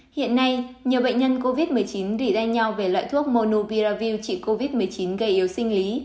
hiện nay nhiều bệnh nhân covid một mươi chín rỉ ra nhau về loại thuốc monoviravir trị covid một mươi chín gây yếu sinh lý